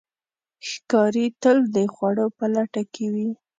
ښکاري تل د خوړو په لټه کې وي.